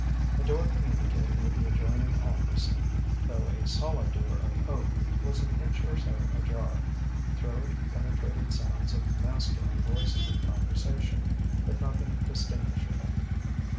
A door communicating with the adjoining office, though a solid door of oak, was an inch or so ajar. Through it penetrated sounds of masculine voices in conversation but nothing distinguishable.